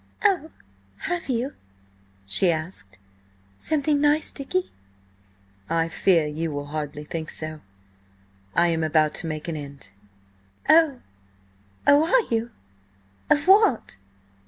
"Oh, have you?" she asked. "Something nice, Dicky?" "I fear you will hardly think so. I am about to make an end." "Oh—oh, are you? Of what?"